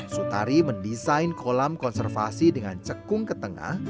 sutari mendesain kolam konservasi dengan cekung ke tengah